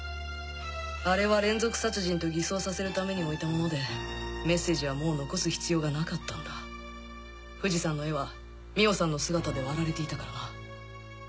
あれは連続殺人と偽装させるために置いたものでメッセージはもう残す必要がなかったんだ富士山の絵は美緒さんの姿で割られていたからな。